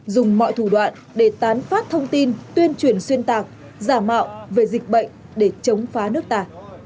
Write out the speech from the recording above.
dùng mọi thủ đoạn để tán phát thông tin tuyên truyền xuyên tạc giả mạo về dịch bệnh để chống phá nước ta